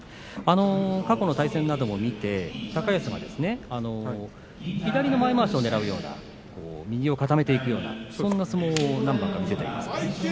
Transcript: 過去の対戦なども見て高安が左の前まわしをねらうような右を固めていくようなそんな相撲を何番か見せています。